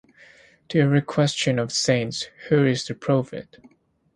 To every question of the saints, Who is the prophet?